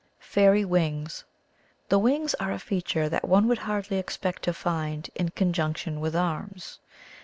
"Fairy Wings. — The wings are a feature that one would hardly expect to find in con junction with arms.